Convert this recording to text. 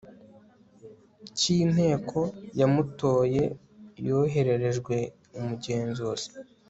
cy inteko yamutoye yohererejwe umugenzuzi